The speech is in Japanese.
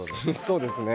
そうですね。